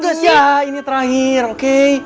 bagus ya ini terakhir oke